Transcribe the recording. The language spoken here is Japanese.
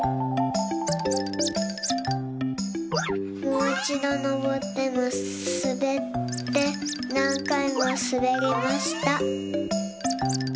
もういちどのぼってすべってなんかいもすべりました。